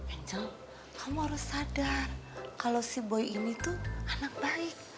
angel kamu harus sadar kalau si boi ini tuh anak baik